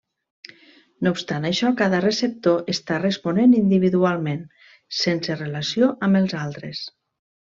No obstant això, cada receptor està responent individualment, sense relació amb els altres.